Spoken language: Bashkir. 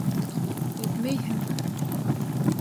Әйтмәйһеңме?